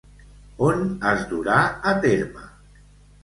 On es durà a terme?